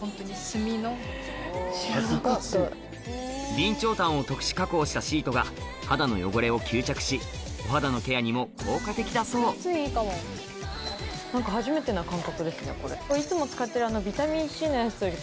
備長炭を特殊加工したシートが肌の汚れを吸着しお肌のケアにも効果的だそういつも使ってるあの。